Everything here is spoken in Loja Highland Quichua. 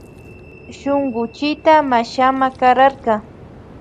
Shunkullita mashama kararka.